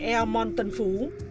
elmont tân phú